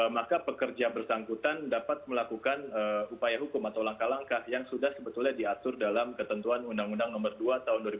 maka pekerja bersangkutan dapat melakukan upaya hukum atau langkah langkah yang sudah sebetulnya diatur dalam ketentuan undang undang nomor dua tahun dua ribu dua